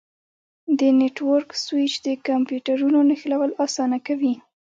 د نیټورک سویچ د کمپیوټرونو نښلول اسانه کوي.